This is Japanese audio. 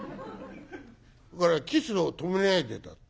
それから『キスを止めないで』だって。